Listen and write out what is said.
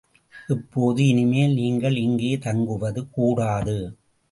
இப்போது இனிமேல் நீங்கள் இங்கே தங்குவது கூடாது!